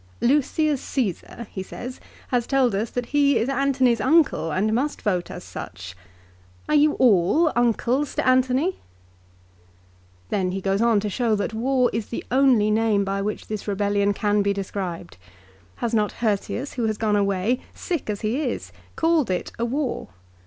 "Lucius Caesar," he said, "has told us that he is Antony's uncle and must vote as such. Are you all uncles to Antony ?" Then he goes on to show that war is the only name by which this rebellion can be described. Has not Hirtius who has gone away, sick as he is, called it a war